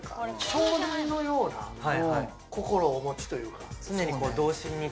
少年のような心をお持ちというか。